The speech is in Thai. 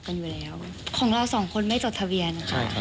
ของเราสองคนไม่จดทะเวียน